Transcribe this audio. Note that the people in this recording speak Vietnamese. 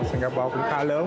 singapore cũng khá lớn